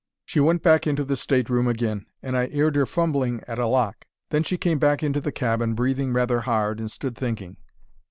"She went back into the state room agin, and I 'eard her fumbling at a lock. Then she came back into the cabin, breathing rather hard, and stood thinking.